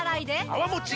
泡もち